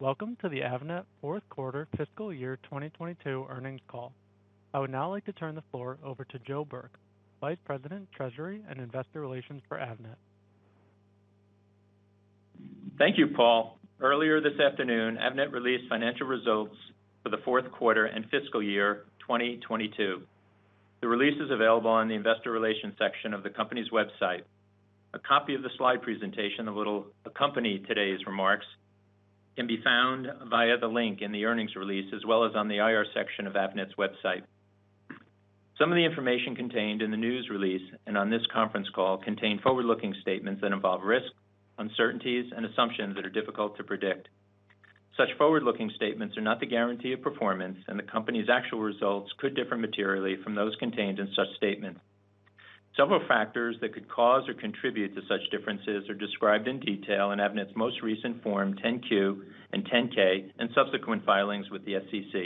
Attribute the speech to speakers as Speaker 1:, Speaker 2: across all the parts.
Speaker 1: Welcome to the Avnet Fourth Quarter Fiscal Year 2022 earnings call. I would now like to turn the floor over to Joe Burke, Vice President, Treasury, and Investor Relations for Avnet.
Speaker 2: Thank you, Paul. Earlier this afternoon, Avnet released financial results for the Fourth Quarter and Fiscal Year 2022. The release is available on the investor relations section of the company's website. A copy of the slide presentation that will accompany today's remarks can be found via the link in the earnings release, as well as on the IR section of Avnet's website. Some of the information contained in the news release and on this conference call contain forward-looking statements that involve risks, uncertainties, and assumptions that are difficult to predict. Such forward-looking statements are not the guarantee of performance, and the company's actual results could differ materially from those contained in such statements. Several factors that could cause or contribute to such differences are described in detail in Avnet's most recent Form 10-Q and Form 10-K, and subsequent filings with the SEC.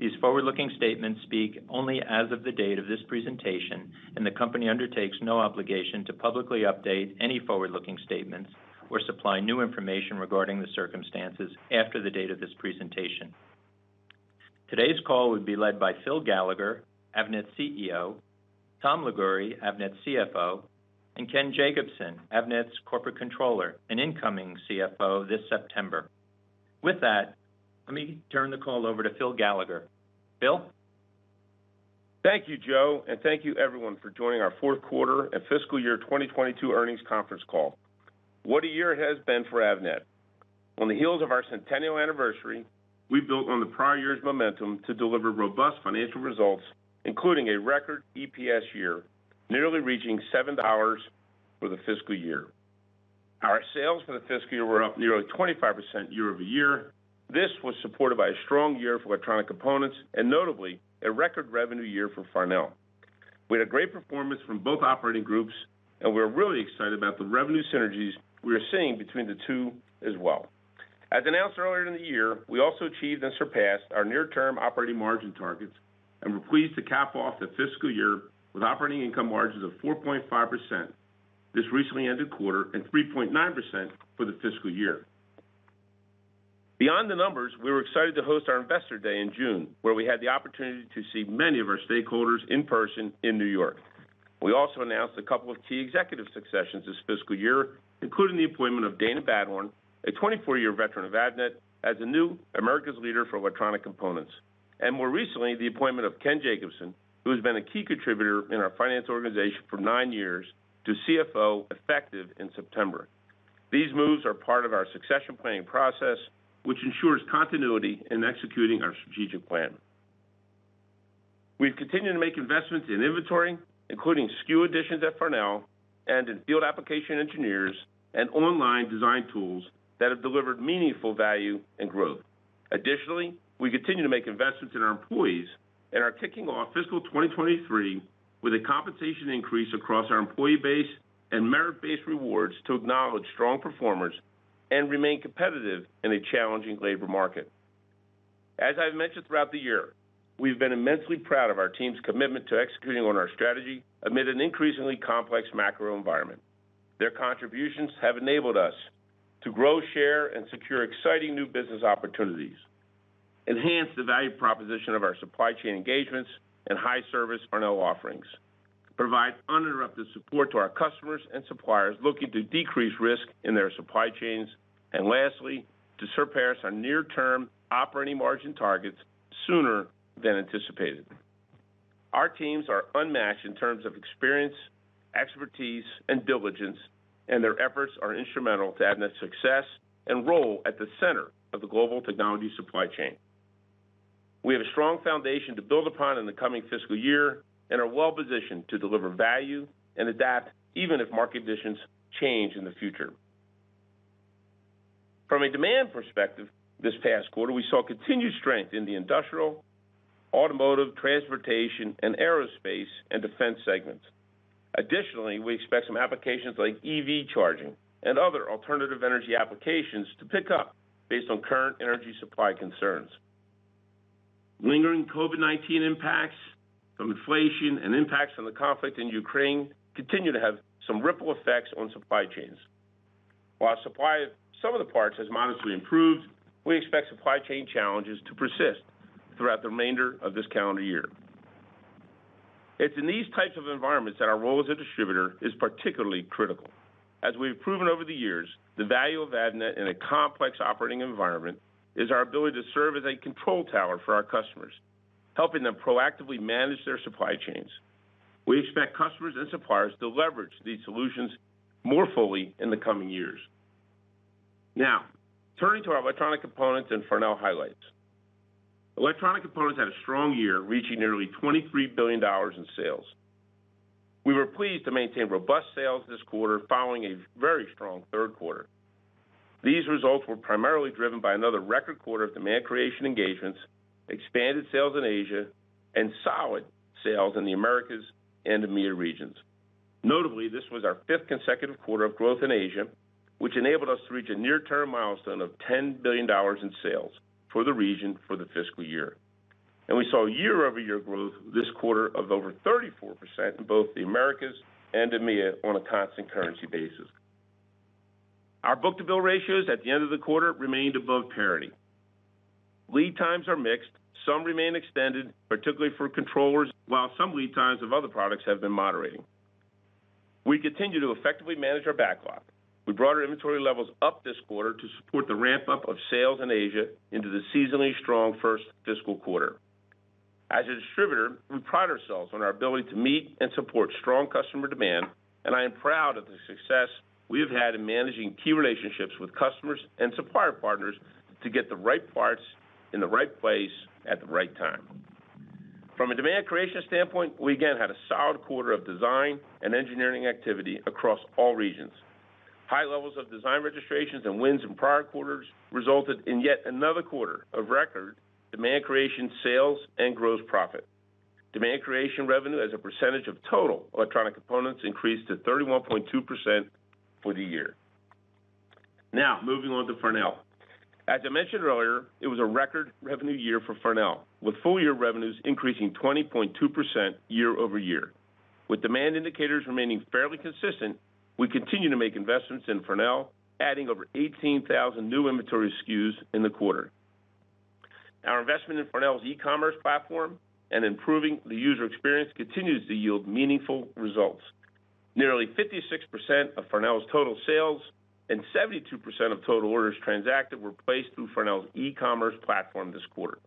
Speaker 2: These forward-looking statements speak only as of the date of this presentation, and the company undertakes no obligation to publicly update any forward-looking statements or supply new information regarding the circumstances after the date of this presentation. Today's call will be led by Phil Gallagher, Avnet's CEO, Tom Liguori, Avnet's CFO, and Ken Jacobson, Avnet's Corporate Controller and incoming CFO this September. With that, let me turn the call over to Phil Gallagher. Phil.
Speaker 3: Thank you, Joe, and thank you everyone for joining our Fourth Quarter and Fiscal Year 2022 earnings conference call. What a year it has been for Avnet. On the heels of our centennial anniversary, we built on the prior year's momentum to deliver robust financial results, including a record EPS year, nearly reaching $7 for the fiscal year. Our sales for the fiscal year were up nearly 25% year-over-year. This was supported by a strong year for Electronic Components and notably, a record revenue year for Farnell. We had a great performance from both operating groups, and we're really excited about the revenue synergies we are seeing between the two as well. As announced earlier in the year, we also achieved and surpassed our near-term operating margin targets, and we're pleased to cap off the fiscal year with operating income margins of 4.5% this recently ended quarter and 3.9% for the fiscal year. Beyond the numbers, we were excited to host our Investor Day in June, where we had the opportunity to see many of our stakeholders in person in New York. We also announced a couple of key executive successions this fiscal year, including the appointment of Dayna Badhorn, a 24-year veteran of Avnet, as the new Americas leader for electronic components. More recently, the appointment of Ken Jacobson, who has been a key contributor in our finance organization for nine years, to CFO effective in September. These moves are part of our succession planning process, which ensures continuity in executing our strategic plan. We've continued to make investments in inventory, including SKU additions at Farnell and in field application engineers and online design tools that have delivered meaningful value and growth. Additionally, we continue to make investments in our employees and are kicking off fiscal 2023 with a compensation increase across our employee base and merit-based rewards to acknowledge strong performers and remain competitive in a challenging labor market. As I've mentioned throughout the year, we've been immensely proud of our team's commitment to executing on our strategy amid an increasingly complex macro environment. Their contributions have enabled us to grow, share, and secure exciting new business opportunities, enhance the value proposition of our supply chain engagements and high service Farnell offerings, provide uninterrupted support to our customers and suppliers looking to decrease risk in their supply chains, and lastly, to surpass our near-term operating margin targets sooner than anticipated. Our teams are unmatched in terms of experience, expertise, and diligence, and their efforts are instrumental to Avnet's success and role at the center of the global technology supply chain. We have a strong foundation to build upon in the coming fiscal year and are well-positioned to deliver value and adapt even if market conditions change in the future. From a demand perspective this past quarter, we saw continued strength in the industrial, automotive, transportation, and aerospace, and defense segments. Additionally, we expect some applications like EV charging and other alternative energy applications to pick up based on current energy supply concerns. Lingering COVID-19 impacts from inflation and impacts from the conflict in Ukraine continue to have some ripple effects on supply chains. While supply of some of the parts has modestly improved, we expect supply chain challenges to persist throughout the remainder of this calendar year. It's in these types of environments that our role as a distributor is particularly critical. As we've proven over the years, the value of Avnet in a complex operating environment is our ability to serve as a control tower for our customers, helping them proactively manage their supply chains. We expect customers and suppliers to leverage these solutions more fully in the coming years. Now, turning to our Electronic Components and Farnell highlights. Electronic Components had a strong year, reaching nearly $23 billion in sales. We were pleased to maintain robust sales this quarter following a very strong third quarter. These results were primarily driven by another record quarter of demand creation engagements, expanded sales in Asia, and solid sales in the Americas and EMEA regions. Notably, this was our fifth consecutive quarter of growth in Asia, which enabled us to reach a near-term milestone of $10 billion in sales for the region for the fiscal year. We saw year-over-year growth this quarter of over 34% in both the Americas and EMEA on a constant currency basis. Our book-to-bill ratios at the end of the quarter remained above parity. Lead times are mixed. Some remain extended, particularly for controllers, while some lead times of other products have been moderating. We continue to effectively manage our backlog. We brought our inventory levels up this quarter to support the ramp-up of sales in Asia into the seasonally strong first fiscal quarter. As a distributor, we pride ourselves on our ability to meet and support strong customer demand, and I am proud of the success we have had in managing key relationships with customers and supplier partners to get the right parts in the right place at the right time. From a demand creation standpoint, we again had a solid quarter of design and engineering activity across all regions. High levels of design registrations and wins in prior quarters resulted in yet another quarter of record demand creation sales and gross profit. Demand creation revenue as a percentage of total Electronic Components increased to 31.2% for the year. Now, moving on to Farnell. As I mentioned earlier, it was a record revenue year for Farnell, with full year revenues increasing 20.2% year-over-year. With demand indicators remaining fairly consistent, we continue to make investments in Farnell, adding over 18,000 new inventory SKUs in the quarter. Our investment in Farnell's e-commerce platform and improving the user experience continues to yield meaningful results. Nearly 56% of Farnell's total sales and 72% of total orders transacted were placed through Farnell's e-commerce platform this quarter.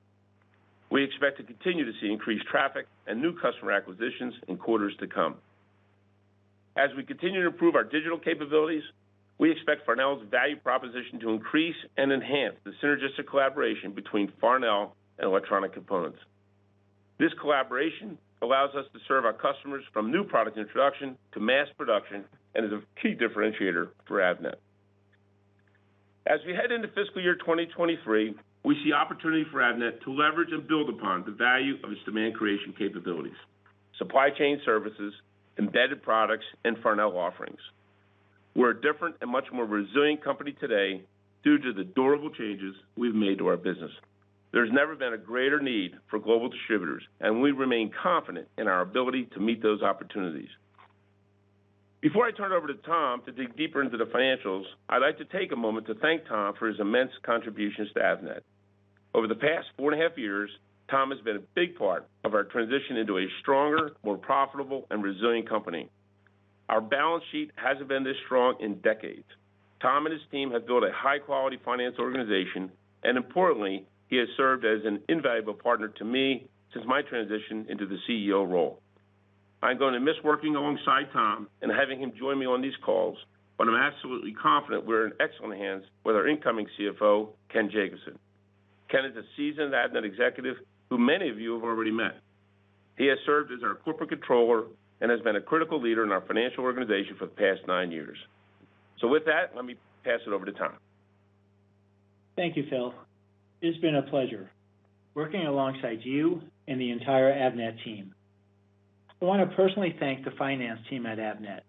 Speaker 3: We expect to continue to see increased traffic and new customer acquisitions in quarters to come. As we continue to improve our digital capabilities, we expect Farnell's value proposition to increase and enhance the synergistic collaboration between Farnell and Electronic Components. This collaboration allows us to serve our customers from new product introduction to mass production, and is a key differentiator for Avnet. As we head into fiscal year 2023, we see opportunity for Avnet to leverage and build upon the value of its demand creation capabilities, supply chain services, embedded products, and Farnell offerings. We're a different and much more resilient company today due to the durable changes we've made to our business. There's never been a greater need for global distributors, and we remain confident in our ability to meet those opportunities. Before I turn it over to Tom to dig deeper into the financials, I'd like to take a moment to thank Tom for his immense contributions to Avnet. Over the past four and a half years, Tom has been a big part of our transition into a stronger, more profitable, and resilient company. Our balance sheet hasn't been this strong in decades. Tom and his team have built a high-quality finance organization, and importantly, he has served as an invaluable partner to me since my transition into the CEO role. I'm going to miss working alongside Tom and having him join me on these calls, but I'm absolutely confident we're in excellent hands with our incoming CFO, Ken Jacobson. Ken is a seasoned Avnet executive who many of you have already met. He has served as our corporate controller and has been a critical leader in our financial organization for the past nine years. With that, let me pass it over to Tom.
Speaker 4: Thank you, Phil. It's been a pleasure working alongside you and the entire Avnet team. I want to personally thank the finance team at Avnet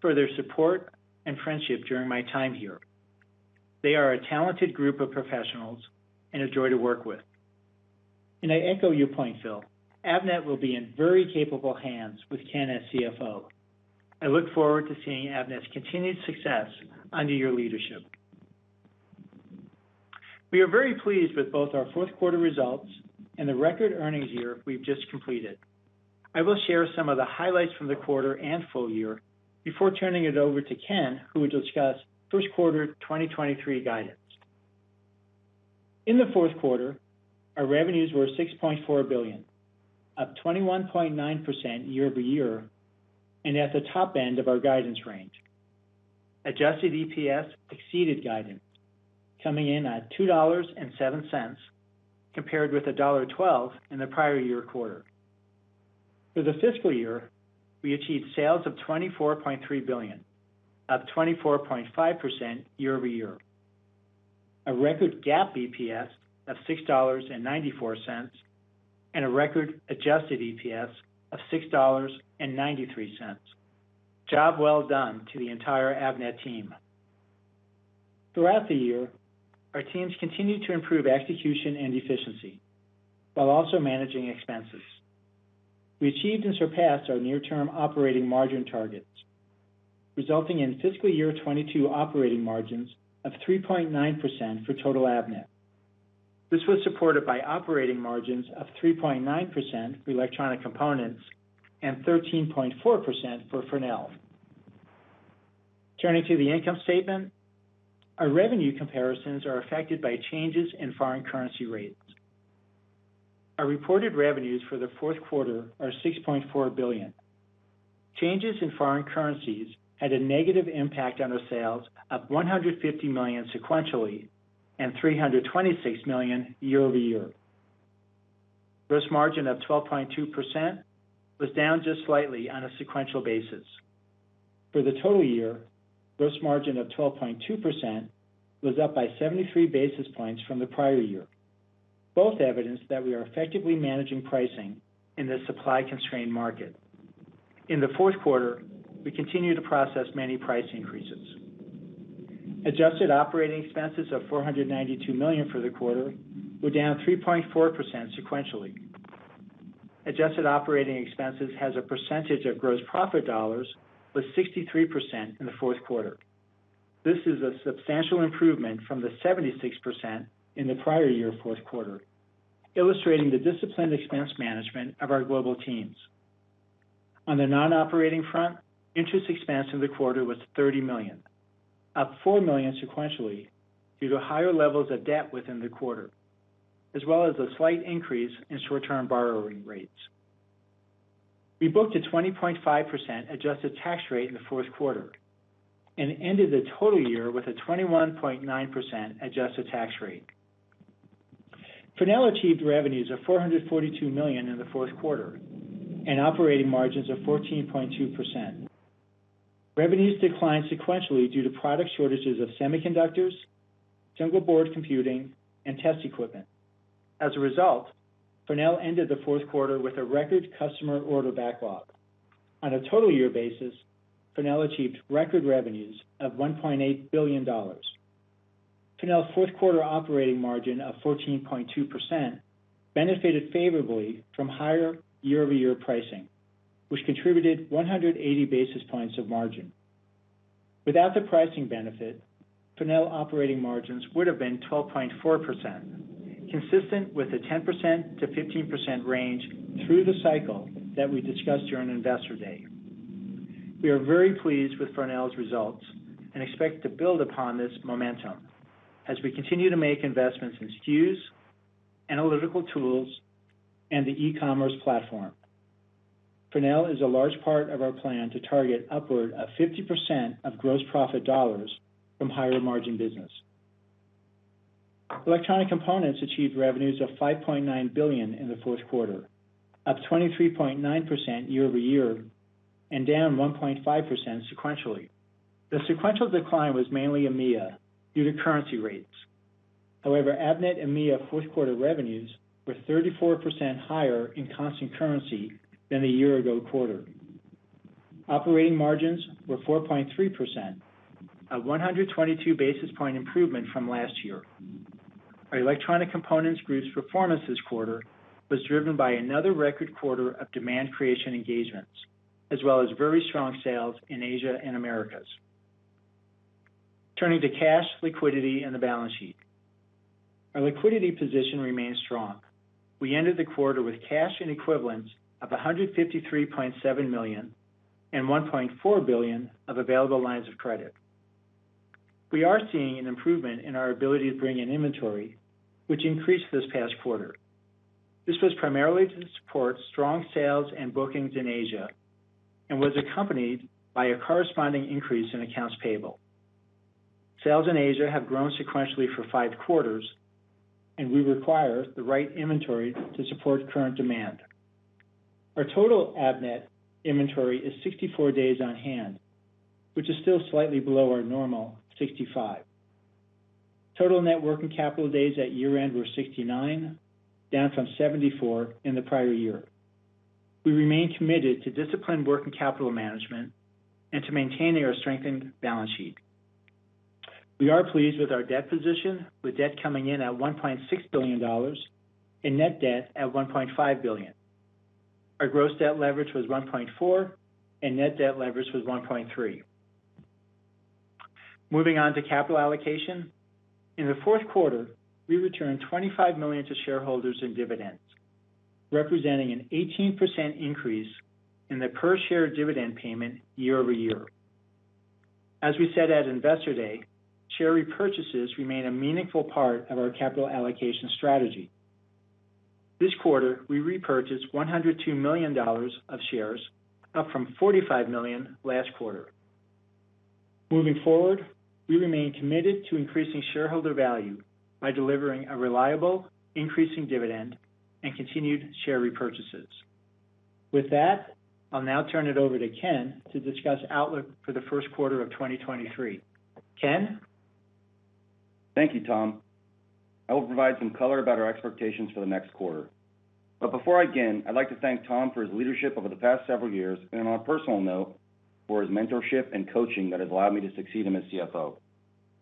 Speaker 4: for their support and friendship during my time here. They are a talented group of professionals and a joy to work with. I echo your point, Phil. Avnet will be in very capable hands with Ken as CFO. I look forward to seeing Avnet's continued success under your leadership. We are very pleased with both our fourth quarter results and the record earnings year we've just completed. I will share some of the highlights from the quarter and full year before turning it over to Ken, who will discuss first quarter 2023 guidance. In the fourth quarter, our revenues were $6.4 billion, up 21.9% year-over-year and at the top end of our guidance range. Adjusted EPS exceeded guidance, coming in at $2.07, compared with $1.12 in the prior year quarter. For the fiscal year, we achieved sales of $24.3 billion, up 24.5% year-over-year. A record GAAP EPS of $6.94, and a record adjusted EPS of $6.93. Job well done to the entire Avnet team. Throughout the year, our teams continued to improve execution and efficiency while also managing expenses. We achieved and surpassed our near-term operating margin targets, resulting in fiscal year 2022 operating margins of 3.9% for total Avnet. This was supported by operating margins of 3.9% for Electronic Components and 13.4% for Farnell. Turning to the income statement, our revenue comparisons are affected by changes in foreign currency rates. Our reported revenues for the fourth quarter are $6.4 billion. Changes in foreign currencies had a negative impact on our sales of $150 million sequentially and $326 million year-over-year. Gross margin of 12.2% was down just slightly on a sequential basis. For the total year, gross margin of 12.2% was up by 73 basis points from the prior year, both evidence that we are effectively managing pricing in this supply-constrained market. In the fourth quarter, we continued to process many price increases. Adjusted operating expenses of $492 million for the quarter were down 3.4% sequentially. Adjusted operating expenses as a percentage of gross profit dollars was 63% in the fourth quarter. This is a substantial improvement from the 76% in the prior year fourth quarter, illustrating the disciplined expense management of our global teams. On the non-operating front, interest expense in the quarter was $30 million, up $4 million sequentially due to higher levels of debt within the quarter, as well as a slight increase in short-term borrowing rates. We booked a 20.5% adjusted tax rate in the fourth quarter and ended the total year with a 21.9% adjusted tax rate. Farnell achieved revenues of $442 million in the fourth quarter and operating margins of 14.2%. Revenues declined sequentially due to product shortages of semiconductors, single board computers, and test equipment. As a result, Farnell ended the fourth quarter with a record customer order backlog. On a total year basis, Farnell achieved record revenues of $1.8 billion. Farnell's fourth quarter operating margin of 14.2% benefited favorably from higher year-over-year pricing, which contributed 180 basis points of margin. Without the pricing benefit, Farnell operating margins would have been 12.4%, consistent with the 10%-15% range through the cycle that we discussed during Investor Day. We are very pleased with Farnell's results and expect to build upon this momentum as we continue to make investments in SKUs, analytical tools, and the e-commerce platform. Farnell is a large part of our plan to target upward of 50% of gross profit dollars from higher margin business. Electronic Components achieved revenues of $5.9 billion in the fourth quarter, up 23.9% year-over-year and down 1.5% sequentially. The sequential decline was mainly EMEA due to currency rates. However, Avnet EMEA fourth quarter revenues were 34% higher in constant currency than the year ago quarter. Operating margins were 4.3%, a 122 basis point improvement from last year. Our Electronic Components group's performance this quarter was driven by another record quarter of demand creation engagements, as well as very strong sales in Asia and Americas. Turning to cash liquidity and the balance sheet. Our liquidity position remains strong. We ended the quarter with cash and equivalents of $153.7 million and $1.4 billion of available lines of credit. We are seeing an improvement in our ability to bring in inventory, which increased this past quarter. This was primarily to support strong sales and bookings in Asia, and was accompanied by a corresponding increase in accounts payable. Sales in Asia have grown sequentially for five quarters, and we require the right inventory to support current demand. Our total Avnet inventory is 64 days on hand, which is still slightly below our normal 65. Total net working capital days at year-end were 69, down from 74 in the prior year. We remain committed to disciplined working capital management and to maintaining our strengthened balance sheet. We are pleased with our debt position, with debt coming in at $1.6 billion and net debt at $1.5 billion. Our gross debt leverage was $1.4 billion, and net debt leverage was $1.3 billion. Moving on to capital allocation. In the fourth quarter, we returned $25 million to shareholders in dividends, representing an 18% increase in the per-share dividend payment year over year. As we said at Investor Day, share repurchases remain a meaningful part of our capital allocation strategy. This quarter, we repurchased $102 million of shares, up from $45 million last quarter. Moving forward, we remain committed to increasing shareholder value by delivering a reliable, increasing dividend and continued share repurchases. With that, I'll now turn it over to Ken to discuss outlook for the first quarter of 2023. Ken?
Speaker 5: Thank you, Tom. I will provide some color about our expectations for the next quarter. Before I begin, I'd like to thank Tom for his leadership over the past several years, and on a personal note, for his mentorship and coaching that has allowed me to succeed him as CFO.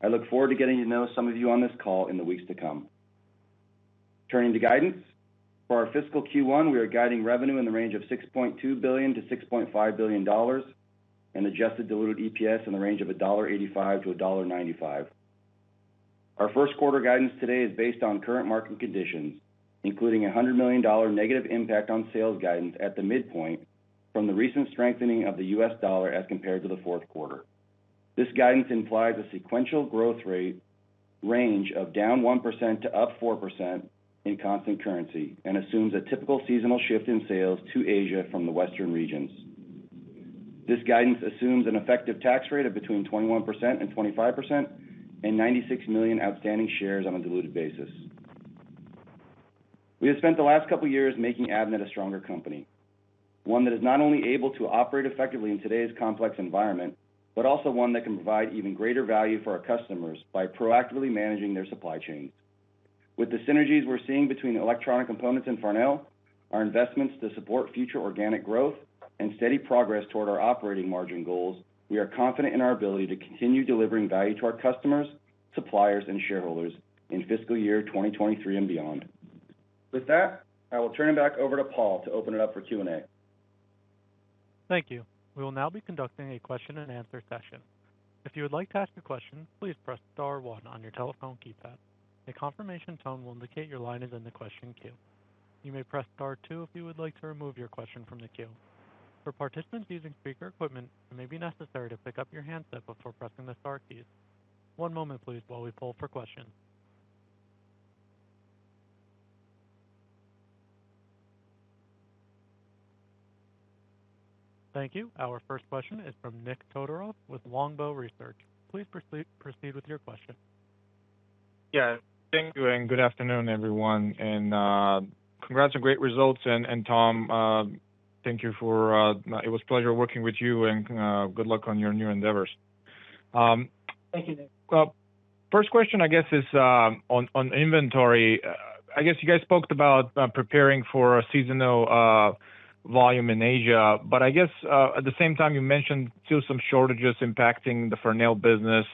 Speaker 5: I look forward to getting to know some of you on this call in the weeks to come. Turning to guidance. For our fiscal Q1, we are guiding revenue in the range of $6.2 billion-$6.5 billion and adjusted diluted EPS in the range of $1.85-$1.95. Our first quarter guidance today is based on current market conditions, including $100 million negative impact on sales guidance at the midpoint from the recent strengthening of the U.S. dollar as compared to the fourth quarter. This guidance implies a sequential growth rate range of down 1% to up 4% in constant currency and assumes a typical seasonal shift in sales to Asia from the Western regions. This guidance assumes an effective tax rate of between 21% and 25% and 96 million outstanding shares on a diluted basis. We have spent the last couple years making Avnet a stronger company, one that is not only able to operate effectively in today's complex environment, but also one that can provide even greater value for our customers by proactively managing their supply chains. With the synergies we're seeing between Electronic Components and Farnell, our investments to support future organic growth and steady progress toward our operating margin goals, we are confident in our ability to continue delivering value to our customers, suppliers, and shareholders in fiscal year 2023 and beyond. With that, I will turn it back over to Paul to open it up for Q&A.
Speaker 1: Thank you. We will now be conducting a question and answer session. If you would like to ask a question, please press star one on your telephone keypad. A confirmation tone will indicate your line is in the question queue. You may press star two if you would like to remove your question from the queue. For participants using speaker equipment, it may be necessary to pick up your handset before pressing the star keys. One moment please while we poll for questions. Thank you. Our first question is from Nick Todorov with Longbow Research. Please proceed with your question.
Speaker 6: Yeah, thank you, and good afternoon, everyone, and, congrats on great results. Tom, thank you for, it was pleasure working with you and, good luck on your new endeavors.
Speaker 4: Thank you.
Speaker 6: First question, I guess, is on inventory. I guess you guys spoke about preparing for a seasonal volume in Asia, but I guess at the same time, you mentioned still some shortages impacting the Farnell business.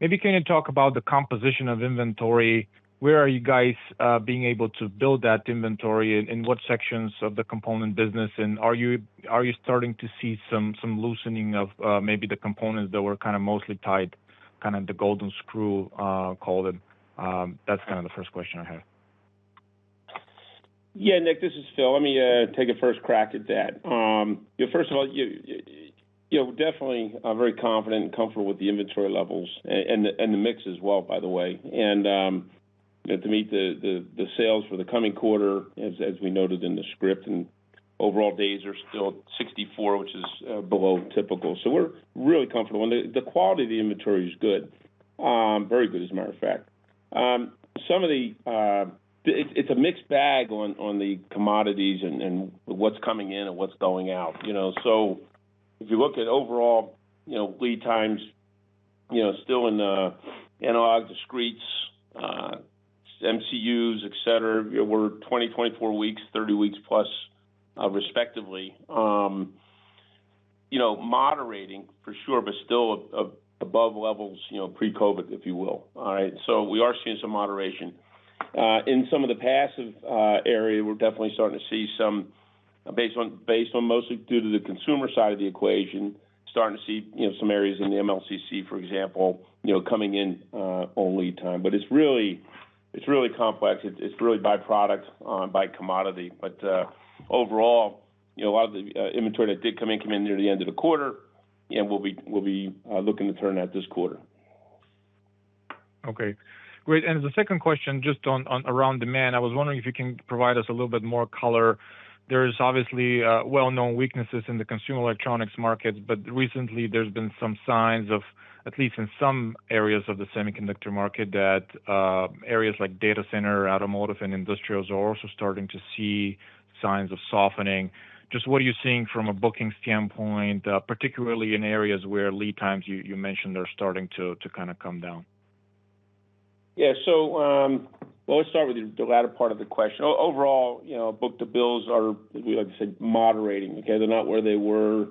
Speaker 6: Maybe can you talk about the composition of inventory? Where are you guys being able to build that inventory and in what sections of the component business? Are you starting to see some loosening of maybe the components that were kind of mostly tied, kind of the golden screw, call it? That's kind of the first question I have.
Speaker 3: Yeah. Nick, this is Phil. Let me take a first crack at that. First of all, you know, definitely I'm very confident and comfortable with the inventory levels and the mix as well, by the way. To meet the sales for the coming quarter as we noted in the script, overall days are still 64, which is below typical. We're really comfortable. The quality of the inventory is good, very good as a matter of fact. It's a mixed bag on the commodities and what's coming in and what's going out, you know. If you look at overall lead times, still in analog discretes, MCUs, et cetera, we're 20, 24 weeks, 30 weeks plus, respectively. You know, moderating for sure, but still above levels, you know, pre-COVID, if you will. All right. We are seeing some moderation. In some of the passive area, we're definitely starting to see some, based on mostly due to the consumer side of the equation, starting to see, you know, some areas in the MLCC, for example, you know, coming in on lead time. It's really complex. It's really by product, by commodity. Overall, you know, a lot of the inventory that did come in near the end of the quarter, and we'll be looking to turn that this quarter.
Speaker 6: Okay, great. The second question just on around demand. I was wondering if you can provide us a little bit more color. There's obviously well-known weaknesses in the consumer electronics markets, but recently there's been some signs of, at least in some areas of the semiconductor market, that areas like data center, automotive and industrials are also starting to see signs of softening. Just what are you seeing from a booking standpoint, particularly in areas where lead times you mentioned are starting to kind of come down?
Speaker 3: Yeah. Well, let's start with the latter part of the question. Overall, you know, book-to-bill ratios are, like I said, moderating, okay? They're not where they were,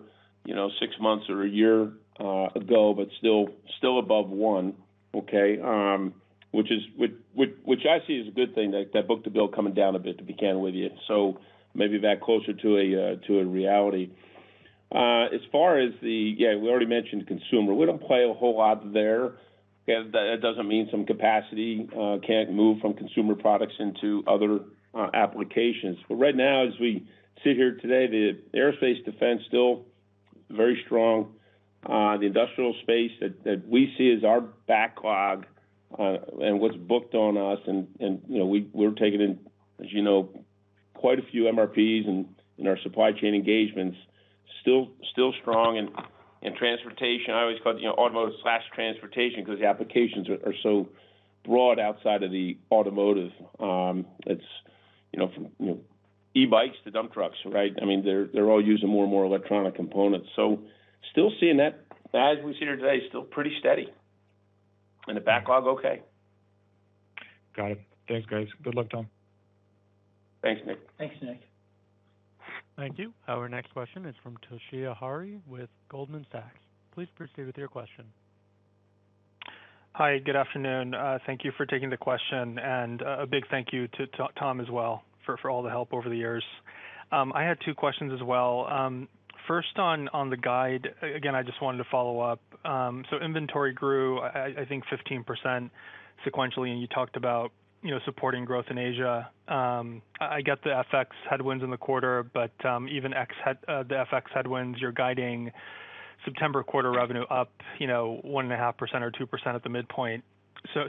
Speaker 3: you know, six months or a year ago, but still above one, okay? Which I see is a good thing, that book-to-bill coming down a bit, to be candid with you. Maybe back closer to a reality. As far as the, yeah, we already mentioned consumer. We don't play a whole lot there. That doesn't mean some capacity can't move from consumer products into other applications. Right now, as we sit here today, the aerospace and defense still very strong. The industrial space that we see as our backlog and what's booked on us and, you know, we're taking in, as you know, quite a few MRPs and in our supply chain engagements, still strong in transportation. I always call it automotive/transportation 'cause the applications are so broad outside of the automotive. It's, you know, from e-bikes to dump trucks, right? I mean, they're all using more and more electronic components. Still seeing that as we sit here today, still pretty steady and the backlog okay.
Speaker 6: Got it. Thanks, guys. Good luck, Tom.
Speaker 3: Thanks, Nick.
Speaker 4: Thanks, Nick.
Speaker 1: Thank you. Our next question is from Toshiya Hari with Goldman Sachs. Please proceed with your question.
Speaker 7: Hi. Good afternoon. Thank you for taking the question and a big thank you to Tom as well for all the help over the years. I had two questions as well. First on the guide. Again, I just wanted to follow up. Inventory grew 15% sequentially, and you talked about, you know, supporting growth in Asia. I get the FX headwinds in the quarter, but even ex the FX headwinds, you're guiding September quarter revenue up, you know, 1.5% or 2% at the midpoint.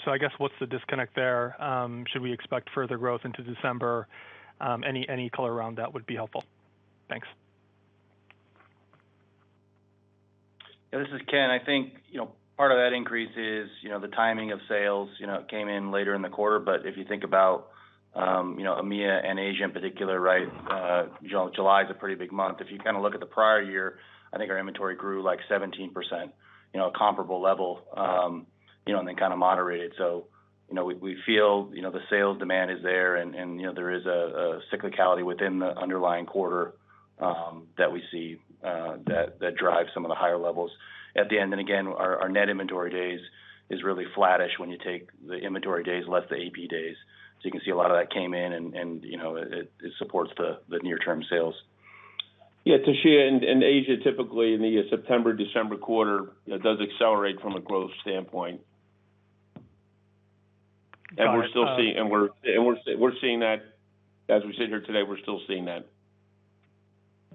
Speaker 7: I guess what's the disconnect there? Should we expect further growth into December? Any color around that would be helpful. Thanks.
Speaker 5: This is Ken. I think, you know, part of that increase is, you know, the timing of sales. You know, it came in later in the quarter, but if you think about. You know, EMEA and Asia in particular, right, July is a pretty big month. If you kind of look at the prior year, I think our inventory grew like 17%, you know, a comparable level, and then kind of moderated. You know, we feel, you know, the sales demand is there and, you know, there is a cyclicality within the underlying quarter, that we see, that drives some of the higher levels. At the end, and again, our net inventory days is really flattish when you take the inventory days less the AP days. You can see a lot of that came in and, you know, it supports the near-term sales.
Speaker 3: Yeah. Toshiya, in Asia, typically in the September, December quarter, it does accelerate from a growth standpoint.
Speaker 7: Got it.
Speaker 3: We're still seeing that. As we sit here today, we're still seeing that.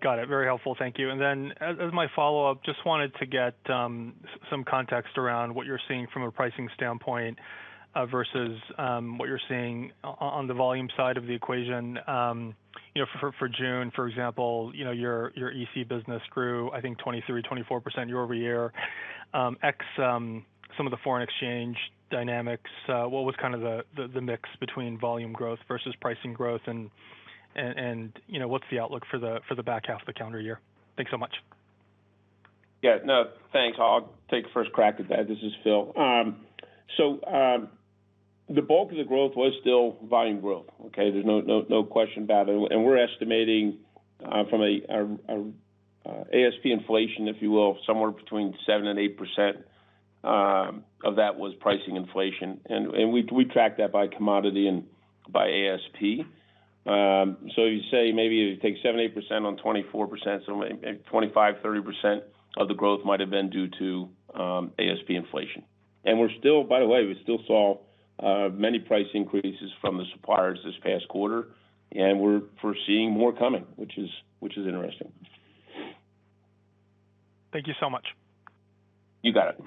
Speaker 7: Got it. Very helpful. Thank you. As my follow-up, just wanted to get some context around what you're seeing from a pricing standpoint versus what you're seeing on the volume side of the equation, you know, for June, for example, you know, your EC business grew, I think, 23%, 24% year-over-year, ex some of the foreign exchange dynamics. What was kind of the mix between volume growth versus pricing growth? You know, what's the outlook for the back half of the calendar year? Thanks so much.
Speaker 3: Yeah. No, thanks. I'll take first crack at that. This is Phil. The bulk of the growth was still volume growth, okay? There's no question about it. We're estimating from an ASP inflation, if you will, somewhere between 7%, 8% of that was pricing inflation. We track that by commodity and by ASP. You say maybe if you take 7%-8% on 24%, maybe 25%, 30% of the growth might have been due to ASP inflation. We're still, by the way, we still saw many price increases from the suppliers this past quarter, and we're foreseeing more coming, which is interesting.
Speaker 7: Thank you so much.
Speaker 3: You got it.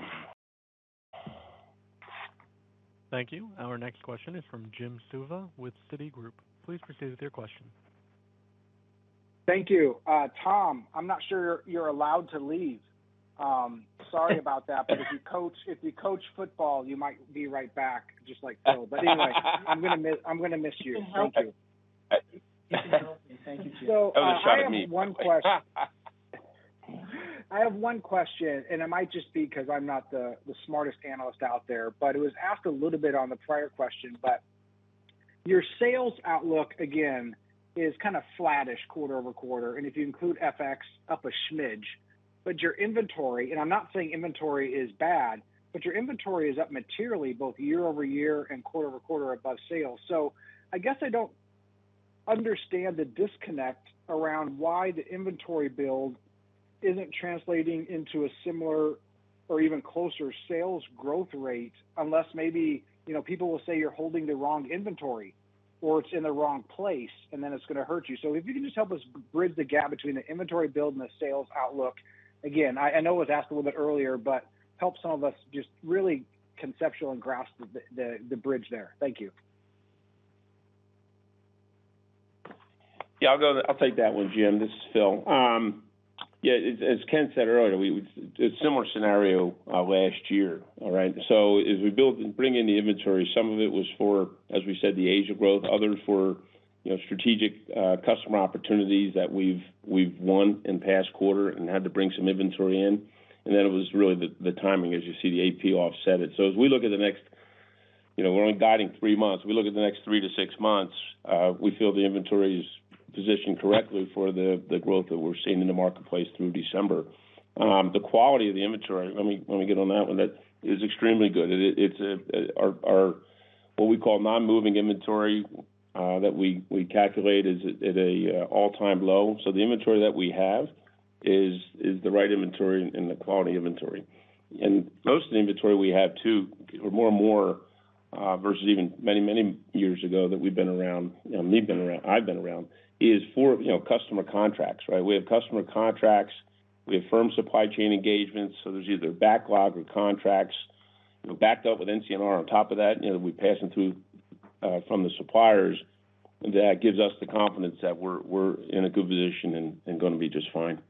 Speaker 1: Thank you. Our next question is from Jim Suva with Citigroup. Please proceed with your question.
Speaker 8: Thank you. Tom, I'm not sure you're allowed to leave. Sorry about that. If you coach football, you might be right back just like Phil. Anyway, I'm gonna miss you. Thank you.
Speaker 4: That was a shot at me.
Speaker 8: I have one question, and it might just be 'cause I'm not the smartest analyst out there, but it was asked a little bit on the prior question. Your sales outlook again is kind of flattish quarter-over-quarter, and if you include FX up a smidge. Your inventory, and I'm not saying inventory is bad, but your inventory is up materially both year-over-year and quarter-over-quarter above sales. I guess I don't understand the disconnect around why the inventory build isn't translating into a similar or even closer sales growth rate, unless maybe, you know, people will say you're holding the wrong inventory or it's in the wrong place, and then it's gonna hurt you. If you can just help us bridge the gap between the inventory build and the sales outlook. Again, I know it was asked a little bit earlier, but help some of us just really conceptually grasp the bridge there. Thank you.
Speaker 3: Yeah, I'll take that one, Jim. This is Phil. Yeah, as Ken said earlier, it's similar scenario last year, all right? As we build and bring in the inventory, some of it was for, as we said, the Asia growth, others for, you know, strategic customer opportunities that we've won in past quarter and had to bring some inventory in. Then it was really the timing as you see the AP offset it. As we look at the next, we're only guiding three months. We look at the next three to six months, we feel the inventory is positioned correctly for the growth that we're seeing in the marketplace through December. The quality of the inventory, let me get on that one, that is extremely good. It's our what we call non-moving inventory that we calculate is at an all-time low. The inventory that we have is the right inventory and the quality inventory. Most of the inventory we have too are more and more versus even many years ago that we've been around and I've been around is for, you know, customer contracts, right? We have customer contracts, we have firm supply chain engagements, so there's either backlog or contracts backed up with NCMR on top of that, you know, that we're passing through from the suppliers. That gives us the confidence that we're in a good position and gonna be just fine.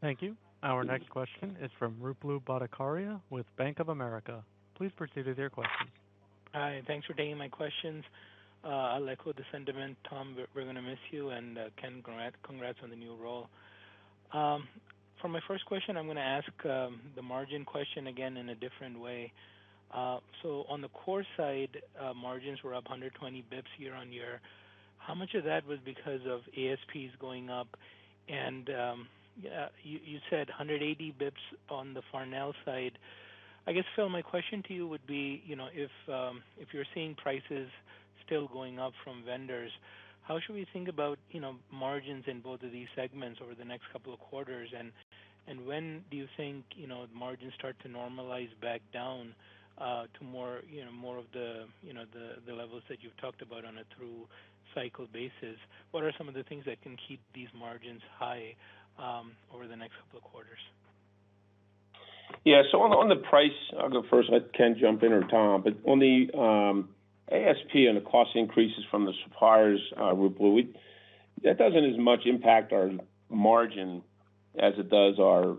Speaker 1: Thank you. Our next question is from Ruplu Bhattacharya with Bank of America. Please proceed with your question.
Speaker 9: Hi, thanks for taking my questions. I'll echo the sentiment, Tom, we're gonna miss you, and Ken, congrats on the new role. For my first question, I'm gonna ask the margin question again in a different way. So on the core side, margins were up 120 basis points year-over-year. How much of that was because of ASPs going up? You said 180 basis points on the Farnell side. I guess, Phil, my question to you would be, you know, if you're seeing prices still going up from vendors, how should we think about, you know, margins in both of these segments over the next couple of quarters? When do you think, you know, margins start to normalize back down to more, you know, more of the, you know, the levels that you've talked about on a through cycle basis? What are some of the things that can keep these margins high over the next couple of quarters?
Speaker 3: Yeah. On the price, I'll go first, let Ken jump in or Tom. On the ASP and the cost increases from the suppliers, Ruplu, that doesn't as much impact our margin as it does our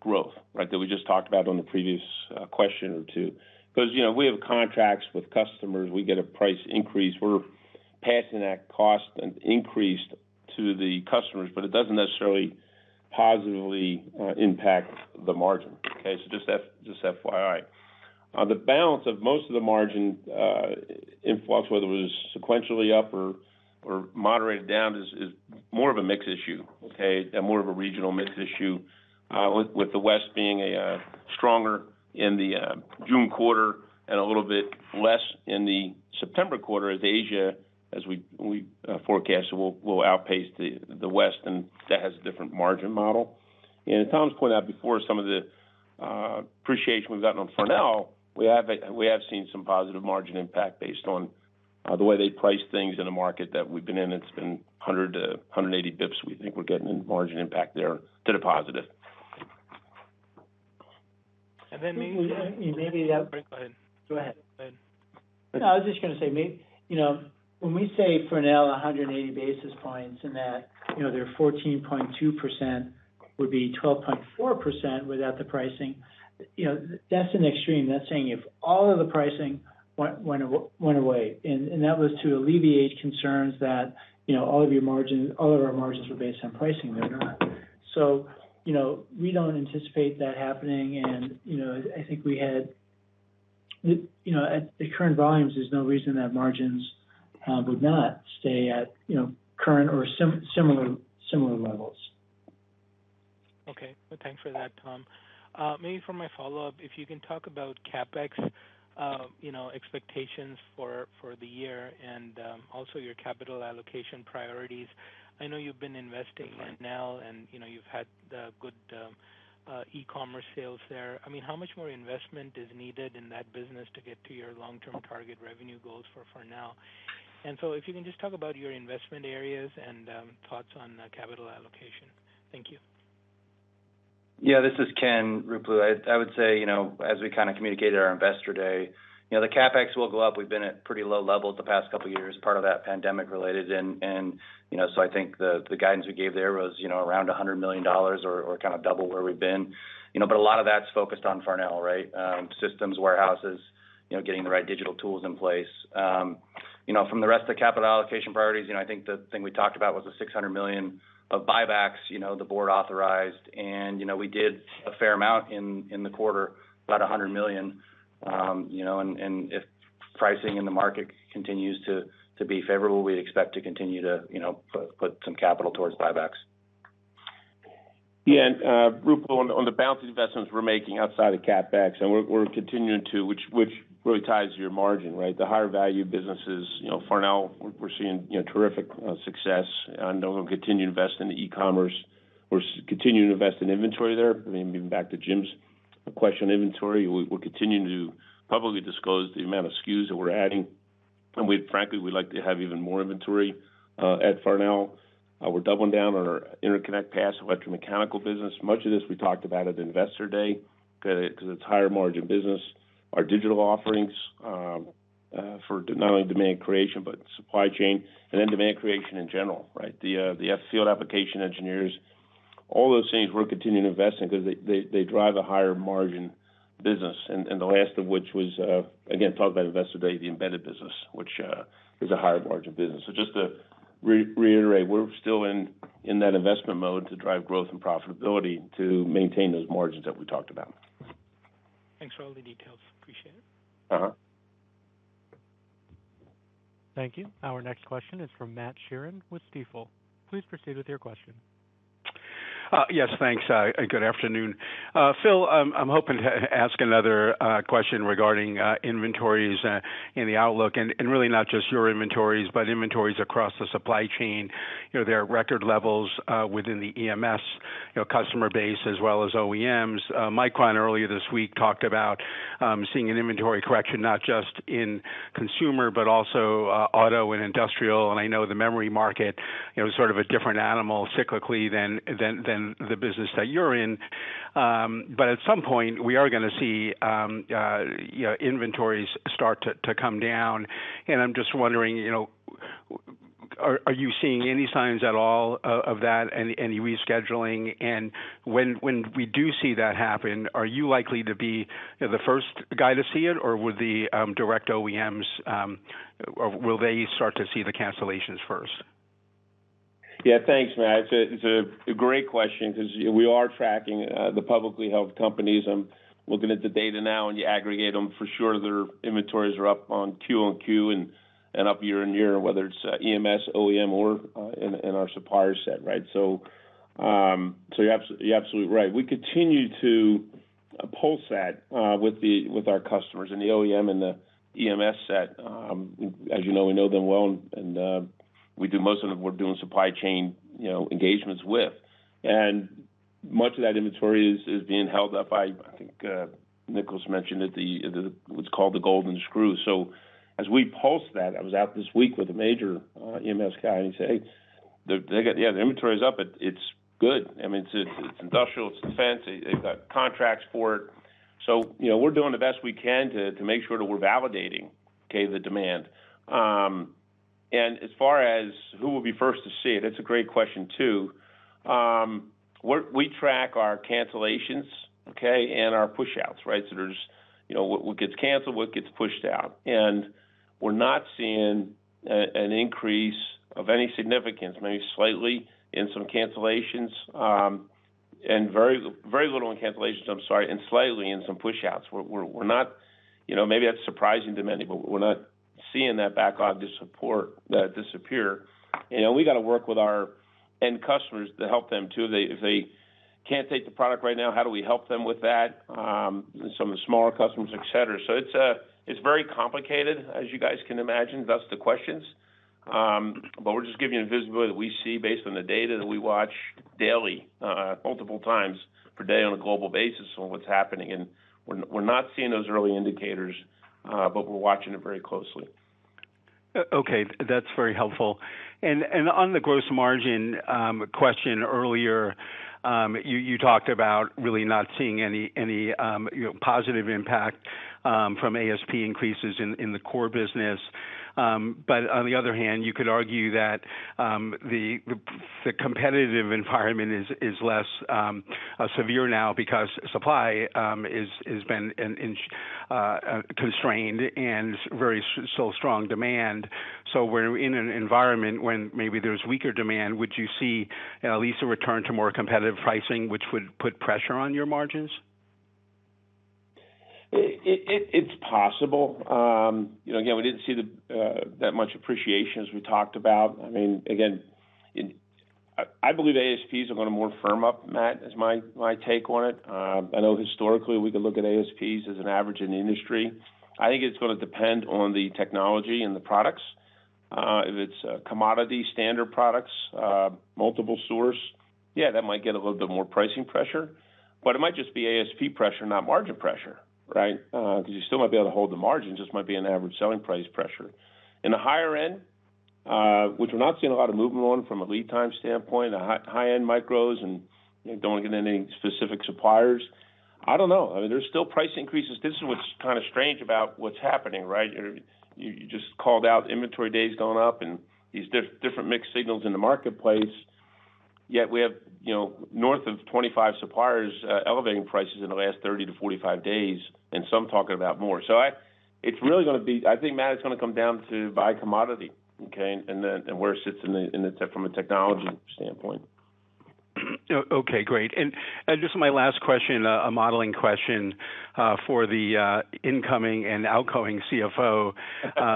Speaker 3: growth, right? That we just talked about on the previous question or two. Because, you know, we have contracts with customers. We get a price increase, we're passing that cost increase to the customers, but it doesn't necessarily positively impact the margin. Just FYI. The balance of most of the margin influx, whether it was sequentially up or moderated down is more of a mix issue, okay? More of a regional mix issue, with the West being stronger in the June quarter and a little bit less in the September quarter as Asia, as we forecast will outpace the West, and that has a different margin model. As Tom pointed out before, some of the appreciation we've gotten on Farnell, we have seen some positive margin impact based on the way they price things in a market that we've been in. It's been 100 to 180 basis points. We think we're getting a margin impact there to the positive.
Speaker 9: And then maybe—
Speaker 4: Maybe that.
Speaker 9: Go ahead.
Speaker 4: No, I was just gonna say, you know, when we say Farnell 180 basis points and that, you know, their 14.2% would be 12.4% without the pricing, you know, that's an extreme. That's saying if all of the pricing went away, and that was to alleviate concerns that, you know, all of your margins, all of our margins were based on pricing. They're not. You know, we don't anticipate that happening and, you know, I think, you know, at the current volumes, there's no reason that margins would not stay at, you know, current or similar levels.
Speaker 9: Okay. Well, thanks for that, Tom. Maybe for my follow-up, if you can talk about CapEx, you know, expectations for the year and also your capital allocation priorities. I know you've been investing in Farnell and, you know, you've had good e-commerce sales there. I mean, how much more investment is needed in that business to get to your long-term target revenue goals for Farnell? If you can just talk about your investment areas and thoughts on capital allocation. Thank you.
Speaker 5: Yeah, this is Ken. Ruplu, I would say, you know, as we kind of communicated our Investor Day, you know, the CapEx will go up. We've been at pretty low levels the past couple of years, part of that pandemic-related. You know, so I think the guidance we gave there was, you know, around $100 million or kind of double where we've been. You know, but a lot of that's focused on Farnell, right? Systems, warehouses, you know, getting the right digital tools in place. You know, from the rest of the capital allocation priorities, you know, I think the thing we talked about was the $600 million of buybacks, you know, the board authorized. You know, we did a fair amount in the quarter, about $100 million. You know, if pricing in the market continues to be favorable, we expect to continue to you know, put some capital towards buybacks.
Speaker 3: Yeah. Ruplu, on the balanced investments we're making outside of CapEx, and we're continuing to, which really ties your margin, right? The higher value businesses, you know, Farnell, we're seeing, you know, terrific success. I know we'll continue to invest in the e-commerce. We're continuing to invest in inventory there. I mean, even back to Jim's question on inventory, we're continuing to publicly disclose the amount of SKUs that we're adding. Frankly, we'd like to have even more inventory at Farnell. We're doubling down on our interconnect, passive and electromechanical business. Much of this we talked about at Investor Day, 'cause it's higher margin business. Our digital offerings for not only demand creation, but supply chain, and then demand creation in general, right? The field application engineers, all those things we're continuing to invest in because they drive a higher margin business. The last of which was again talked about Investor Day, the embedded business, which is a higher margin business. Just to reiterate, we're still in that investment mode to drive growth and profitability to maintain those margins that we talked about.
Speaker 9: Thanks for all the details. Appreciate it.
Speaker 3: Uh-huh.
Speaker 1: Thank you. Our next question is from Matt Sheerin with Stifel. Please proceed with your question.
Speaker 10: Yes, thanks. Good afternoon. Phil, I'm hoping to ask another question regarding inventories and the outlook, and really not just your inventories, but inventories across the supply chain. You know, there are record levels within the EMS customer base as well as OEMs. Micron earlier this week talked about seeing an inventory correction not just in consumer, but also auto and industrial. I know the memory market, you know, is sort of a different animal cyclically than the business that you're in. But at some point, we are gonna see, you know, inventories start to come down. I'm just wondering, you know, are you seeing any signs at all, of that, any rescheduling? When we do see that happen, are you likely to be, you know, the first guy to see it, or would the direct OEMs, or will they start to see the cancellations first?
Speaker 3: Yeah. Thanks, Matt. It's a great question 'cause we are tracking the publicly held companies. I'm looking at the data now, and you aggregate them, for sure, their inventories are up quarter-over-quarter and up year-over-year, whether it's EMS, OEM or in our supplier set, right? You're absolutely right. We continue to pulse that with our customers in the OEM and EMS set. As you know, we know them well, and we do most of them, we're doing supply chain, you know, engagements with. Much of that inventory is being held up by, I think, Nicholas mentioned it, the what's called the golden screw. As we pulse that, I was out this week with a major EMS guy, and he said, "Hey, they got, yeah, the inventory is up, it's good. I mean, it's industrial, it's defense, it got contracts for it. You know, we're doing the best we can to make sure that we're validating the demand. And as far as who will be first to see it's a great question too. We track our cancellations and our push outs. There's what gets canceled, what gets pushed out. And we're not seeing an increase of any significance, maybe slightly in some cancellations, and very little in cancellations, I'm sorry, and slightly in some push outs. We're not, you know, maybe that's surprising to many, but we're not seeing that backlog disappear. You know, we got to work with our end customers to help them too. If they can't take the product right now, how do we help them with that? Some of the smaller customers, et cetera. It's very complicated as you guys can imagine, thus the questions. But we're just giving you the visibility that we see based on the data that we watch daily, multiple times per day on a global basis on what's happening. We're not seeing those early indicators, but we're watching it very closely.
Speaker 10: Okay, that's very helpful. On the gross margin question earlier, you talked about really not seeing any you know, positive impact from ASP increases in the core business. On the other hand, you could argue that the competitive environment is less severe now because supply has been constrained and demand so very strong. We're in an environment when maybe there's weaker demand. Would you see at least a return to more competitive pricing, which would put pressure on your margins?
Speaker 3: It's possible. You know, again, we didn't see that much appreciation as we talked about. I mean, again, I believe ASPs are gonna more firm up, Matt, is my take on it. I know historically we could look at ASPs as an average in the industry. I think it's gonna depend on the technology and the products. If it's a commodity standard products, multiple source, yeah, that might get a little bit more pricing pressure, but it might just be ASP pressure, not margin pressure, right? 'Cause you still might be able to hold the margin, just might be an average selling price pressure. In the higher end, which we're not seeing a lot of movement on from a lead time standpoint, high-end micros and don't get into any specific suppliers. I don't know. I mean, there's still price increases. This is what's kind of strange about what's happening, right? You just called out inventory days going up and these different mixed signals in the marketplace. Yet we have, you know, north of 25 suppliers elevating prices in the last 30 to 45 days, and some talking about more. I think, Matt, it's gonna come down to by commodity, okay? Where it sits in from a technology standpoint.
Speaker 10: Okay, great. Just my last question, a modeling question for the incoming and outgoing CFO,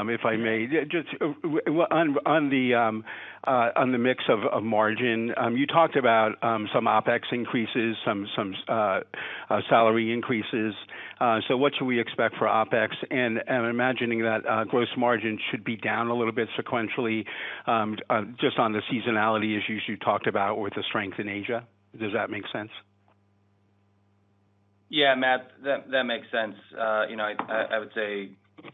Speaker 10: if I may. Yeah, just, well, on the mix of margin, you talked about some OpEx increases, some salary increases. So what should we expect for OpEx? I'm imagining that gross margin should be down a little bit sequentially, just on the seasonality issues you talked about with the strength in Asia. Does that make sense?
Speaker 5: Yeah, Matt, that makes sense. You know, I would say,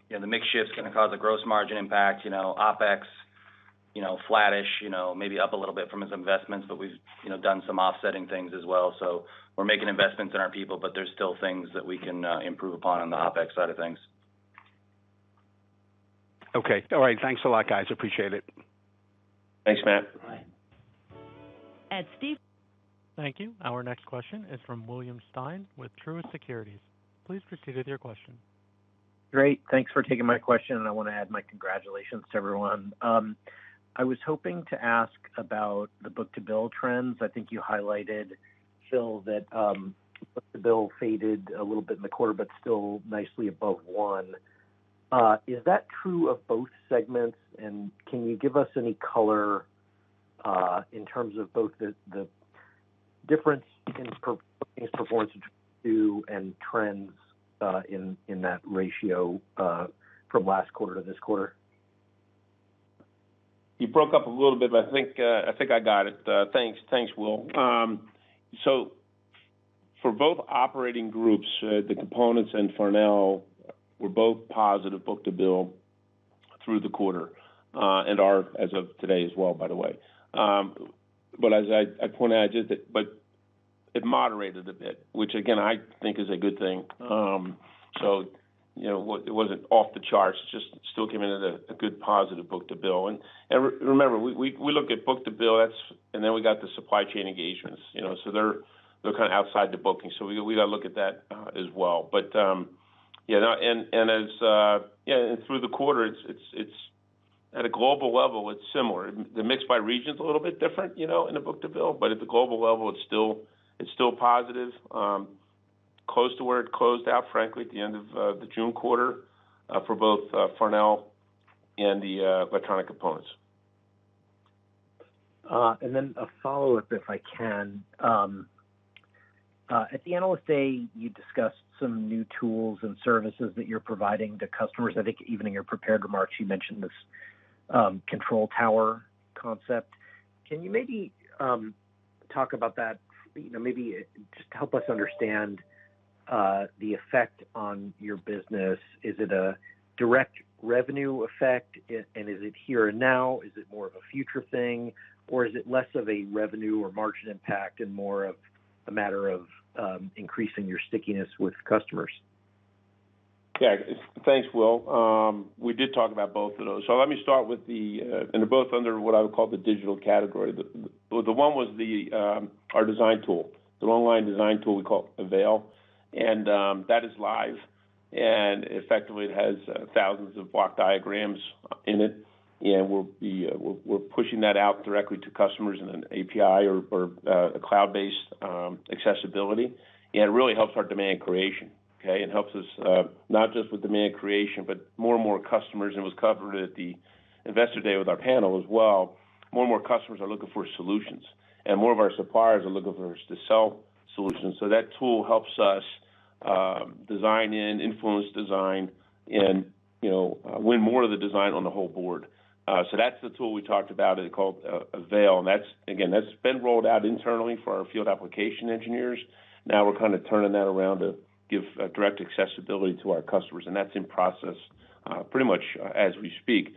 Speaker 5: you know, the mix shift's gonna cause a gross margin impact. You know, OpEx, you know, flattish, you know, maybe up a little bit from its investments, but we've, you know, done some offsetting things as well. We're making investments in our people, but there's still things that we can improve upon on the OpEx side of things.
Speaker 10: Okay. All right. Thanks a lot, guys. Appreciate it.
Speaker 5: Thanks, Matt.
Speaker 3: Bye.
Speaker 11: Steve.
Speaker 1: Thank you. Our next question is from William Stein with Truist Securities. Please proceed with your question.
Speaker 12: Great. Thanks for taking my question, and I wanna add my congratulations to everyone. I was hoping to ask about the book-to-bill trends. I think you highlighted, Phil, that book-to-bill faded a little bit in the quarter, but still nicely above one. Is that true of both segments? Can you give us any color in terms of both the difference in performance between the two and trends in that ratio from last quarter to this quarter?
Speaker 3: You broke up a little bit, but I think I got it. Thanks. Thanks, William. For both operating groups, the Components and Farnell were both positive book-to-bill through the quarter, and are as of today as well, by the way. As I pointed out, it moderated a bit, which again, I think is a good thing. You know, wasn't off the charts, just still came in at a good positive book-to-bill. Remember, we look at book-to-bill, then we got the supply chain engagements, you know. They're kind of outside the booking, so we gotta look at that as well. Through the quarter it's at a global level, it's similar. The mix by region's a little bit different, you know, in the book-to-bill, but at the global level, it's still positive. Close to where it closed out, frankly, at the end of the June quarter, for both Farnell and the Electronic Components.
Speaker 12: A follow-up, if I can. At the [Investor Day], you discussed some new tools and services that you're providing to customers. I think even in your prepared remarks, you mentioned this control tower concept. Can you maybe talk about that, you know, maybe just help us understand the effect on your business. Is it a direct revenue effect and is it here now, is it more of a future thing, or is it less of a revenue or margin impact and more of a matter of increasing your stickiness with customers?
Speaker 3: Yeah. Thanks, Will. We did talk about both of those. Let me start with the. They are both under what I would call the digital category. The one was our design tool, the online design tool we call AVAIL, and that is live. Effectively it has thousands of block diagrams in it, and we are pushing that out directly to customers in an API or a cloud-based accessibility. It really helps our demand creation, okay? It helps us not just with demand creation, but more and more customers, and it was covered at the Investor Day with our panel as well. More and more customers are looking for solutions, and more of our suppliers are looking for us to sell solutions. That tool helps us design in, influence design and, you know, win more of the design on the whole board. That's the tool we talked about called AVAIL, and that's, again, that's been rolled out internally for our field application engineers. Now we're kind of turning that around to give direct accessibility to our customers, and that's in process pretty much as we speak.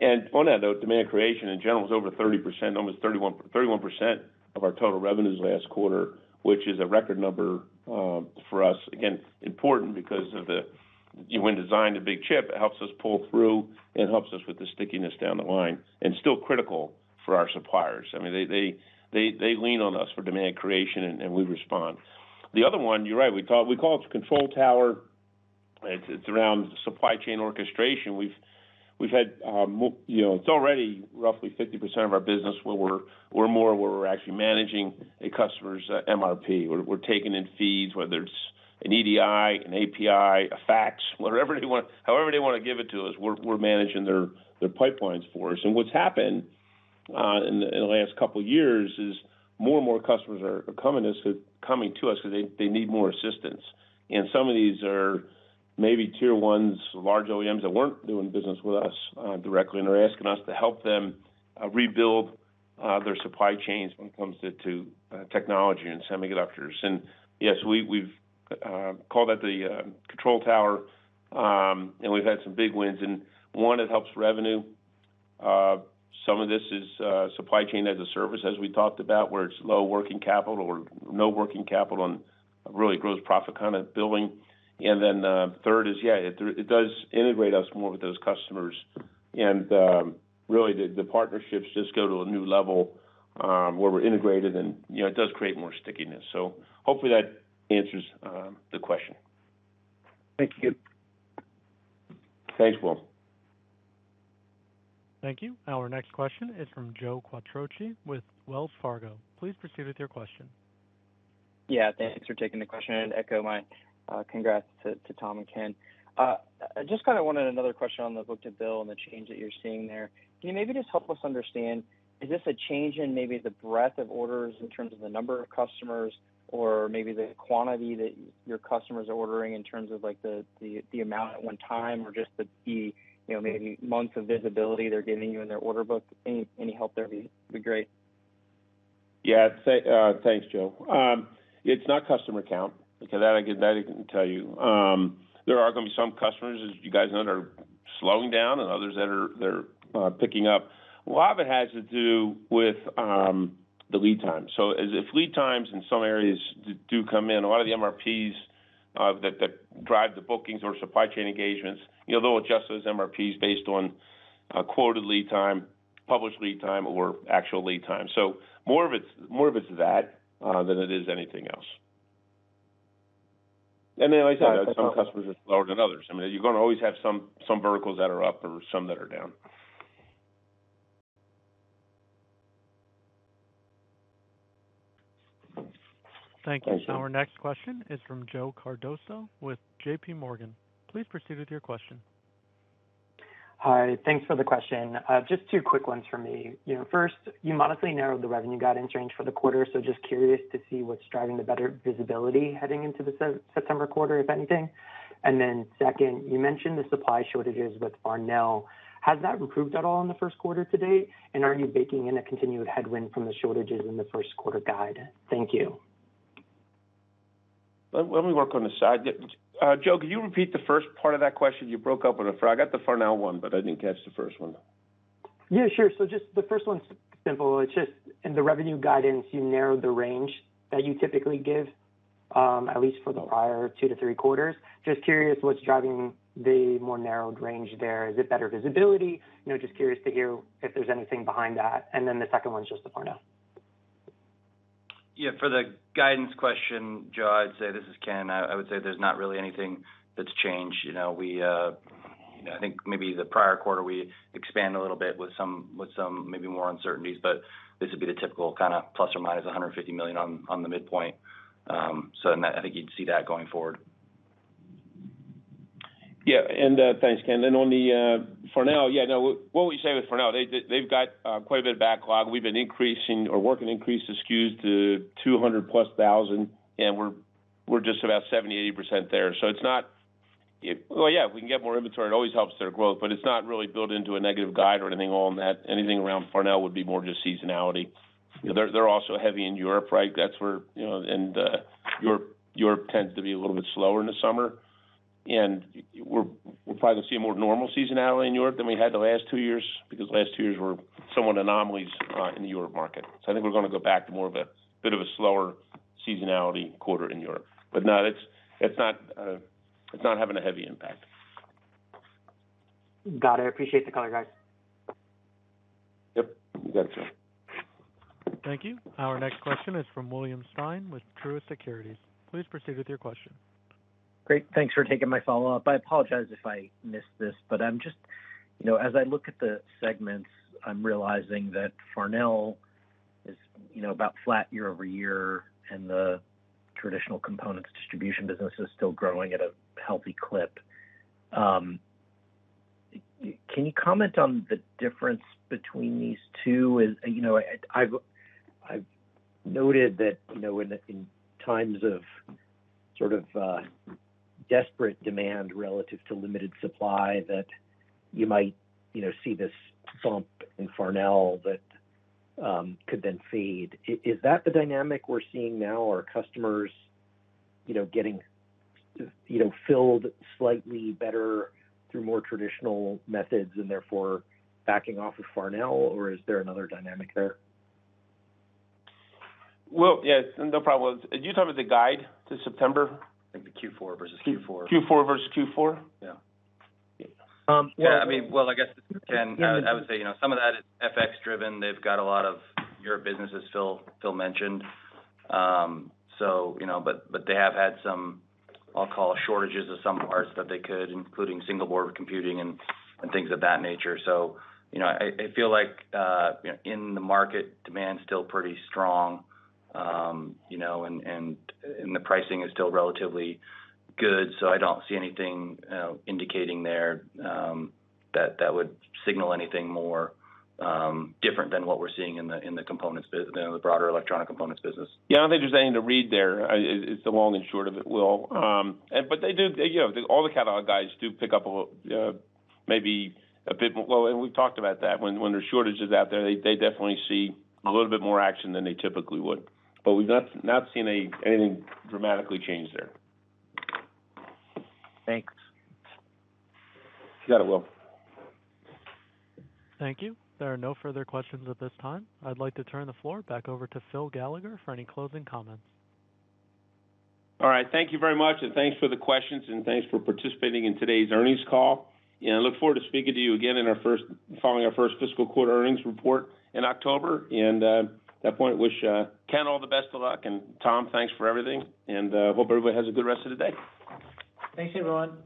Speaker 3: On that note, demand creation in general is over 30%, almost 31% of our total revenues last quarter, which is a record number for us. Again, important because when designing a big chip, it helps us pull through and helps us with the stickiness down the line. Still critical for our suppliers. I mean, they lean on us for demand creation and we respond. The other one, you're right, we call it the control tower. It's around supply chain orchestration. We've had, you know, it's already roughly 50% of our business where we're actually managing a customer's MRP. We're taking in feeds, whether it's an EDI, an API, a fax, whatever they want. However they want to give it to us, we're managing their pipelines for us. What's happened in the last couple of years is more and more customers are coming to us 'cause they need more assistance. Some of these are maybe tier ones, large OEMs that weren't doing business with us directly, and they're asking us to help them rebuild their supply chains when it comes to technology and semiconductors. Yes, we've called that the control tower and we've had some big wins. One, it helps revenue. Some of this is supply chain as a service as we talked about, where it's low working capital or no working capital and really gross profit kind of billing. The third is, yeah, it does integrate us more with those customers. Really the partnerships just go to a new level, where we're integrated and, you know, it does create more stickiness. Hopefully that answers the question.
Speaker 12: Thank you.
Speaker 3: Thanks, Will.
Speaker 1: Thank you. Our next question is from Joe Quatrochi with Wells Fargo. Please proceed with your question.
Speaker 13: Yeah, thanks for taking the question, and echo my congrats to Tom and Ken. I just kind of wanted another question on the book-to-bill and the change that you're seeing there. Can you maybe just help us understand, is this a change in maybe the breadth of orders in terms of the number of customers or maybe the quantity that your customers are ordering in terms of like the amount at one time or just you know, maybe months of visibility they're giving you in their order book? Any help there would be great.
Speaker 3: Yeah. Thanks, Joe. It's not customer count because that I can tell you. There are gonna be some customers, as you guys know, that are slowing down and others that are picking up. A lot of it has to do with the lead time. So as if lead times in some areas do come in, a lot of the MRPs that drive the bookings or supply chain engagements, you know, they'll adjust those MRPs based on quoted lead time, published lead time or actual lead time. So more of it's that than it is anything else. like I said, some customers are slower than others. I mean, you're gonna always have some verticals that are up or some that are down.
Speaker 1: Thank you. Our next question is from Joe Cardoso with JP Morgan. Please proceed with your question.
Speaker 14: Hi. Thanks for the question. Just two quick ones for me. You know, first, you modestly narrowed the revenue guidance range for the quarter. Just curious to see what's driving the better visibility heading into the September quarter, if anything. Second, you mentioned the supply shortages with Farnell. Has that improved at all in the first quarter to date? Are you baking in a continued headwind from the shortages in the first quarter guide? Thank you.
Speaker 3: Let me work on this side. Joe, could you repeat the first part of that question? You broke up. I got the Farnell one, but I didn't catch the first one.
Speaker 14: Yeah, sure. Just the first one's simple. It's just in the revenue guidance, you narrowed the range that you typically give, at least for the prior two to three quarters. Just curious what's driving the more narrowed range there. Is it better visibility? You know, just curious to hear if there's anything behind that. The second one is just the Farnell.
Speaker 5: Yeah. For the guidance question, Joe, I'd say, this is Ken. I would say there's not really anything that's changed. You know, we, you know, I think maybe the prior quarter we expand a little bit with some maybe more uncertainties, but this would be the typical kinda ±$150 million on the midpoint. So in that, I think you'd see that going forward.
Speaker 3: Yeah. Thanks, Ken. On the Farnell. Yeah, no, what we say with Farnell, they've got quite a bit of backlog. We've been increasing or working to increase the SKUs to 200+ thousand, and we're just about 70%, 80% there. Well, yeah, if we can get more inventory, it always helps their growth, but it's not really built into a negative guide or anything on that. Anything around Farnell would be more just seasonality. They're also heavy in Europe, right? That's where, you know, Europe tends to be a little bit slower in the summer, and we're probably gonna see a more normal seasonality in Europe than we had the last two years because last two years were somewhat anomalies in the Europe market. I think we're gonna go back to more of a bit of a slower seasonality quarter in Europe. No, it's not having a heavy impact.
Speaker 14: Got it. I appreciate the color, guys.
Speaker 3: Yep. You got it, sir.
Speaker 1: Thank you. Our next question is from William Stein with Truist Securities. Please proceed with your question.
Speaker 12: Great. Thanks for taking my follow-up. I apologize if I missed this, but I'm just, you know, as I look at the segments, I'm realizing that Farnell is, you know, about flat year-over-year and the traditional components distribution business is still growing at a healthy clip. Can you comment on the difference between these two? You know, I've noted that, you know, in times of sort of desperate demand relative to limited supply that you might, you know, see this slump in Farnell that could then fade. Is that the dynamic we're seeing now? Are customers, you know, getting, you know, filled slightly better through more traditional methods and therefore backing off of Farnell, or is there another dynamic there?
Speaker 3: Well, yes. No problem. Did you talk with the guide to September?
Speaker 5: I think the Q4 versus Q4.
Speaker 3: Q4 versus Q4?
Speaker 5: Yeah. Yeah. I mean, well, I guess, Ken, I would say, you know, some of that is FX-driven. They've got a lot of your businesses, Phil mentioned. They have had some, I'll call it, shortages of some parts that they could, including single board computers and things of that nature. I feel like, you know, in the market, demand's still pretty strong, you know, and the pricing is still relatively good, so I don't see anything indicating there, that would signal anything more different than what we're seeing in the components business, in the broader electronic components business.
Speaker 3: Yeah. I don't think there's anything to read there. It's the long and short of it, Will. They do. You know, all the catalog guys do pick up a little, maybe a bit more. Well, we've talked about that. When there's shortages out there, they definitely see a little bit more action than they typically would. We've not seen anything dramatically change there.
Speaker 12: Thanks.
Speaker 3: You got it, Will.
Speaker 1: Thank you. There are no further questions at this time. I'd like to turn the floor back over to Phil Gallagher for any closing comments.
Speaker 3: All right. Thank you very much, and thanks for the questions, and thanks for participating in today's earnings call. I look forward to speaking to you again following our first fiscal quarter earnings report in October. At that point wish Ken all the best of luck. Tom, thanks for everything. Hope everybody has a good rest of the day.
Speaker 4: Thanks, everyone.